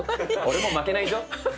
俺も負けないじょ！